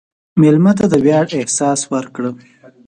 مېلمه ته د ویاړ احساس ورکړه.